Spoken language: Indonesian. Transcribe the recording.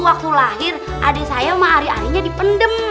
waktu lahir adik saya mah hari harinya dipendem